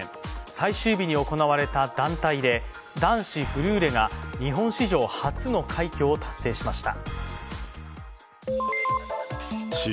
最終日に行われた団体で男子フルーレが日本史上初の快挙を達成しました。